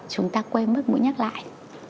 chúng ta quên mất mũi nhắc lại